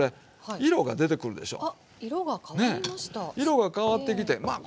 色が変わってきてまあ